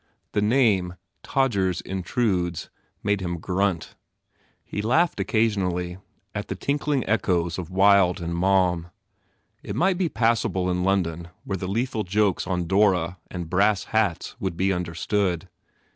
The name, "Todgers Intrudes," made him grunt. He laughed occasionally at the tinkling echoes of Wilde and Maugham. It might be passable in London where the lethal jokes on "Dora" and "Brass Hats" would be understood.